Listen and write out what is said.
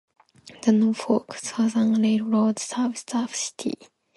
The Norfolk Southern railroad serves the city.